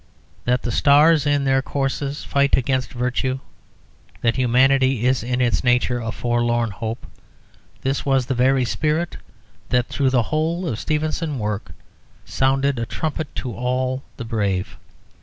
That the stars in their courses fight against virtue, that humanity is in its nature a forlorn hope, this was the very spirit that through the whole of Stevenson's work sounded a trumpet to all the brave.